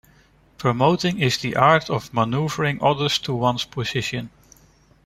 Promoting is the art of maneuvering others to one's position.